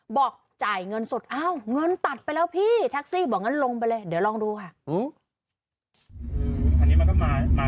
บอกจ่ายเงินสดอ้าวเงินตัดไปแล้วพี่แท็กซี่บอกงั้นลงไปเลยเดี๋ยวลองดูค่ะ